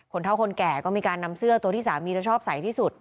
เท่าคนแก่ก็มีการนำเสื้อตัวที่สามีจะชอบใส่ที่สุด